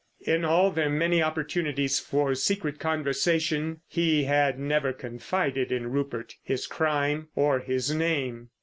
In all their many opportunities for secret conversation he had never confided in Rupert his crime or his name.